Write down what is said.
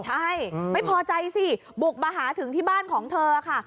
ใช่ไม่พอใจสิบุกมาหาถึงที่บ้านของเธอค่ะ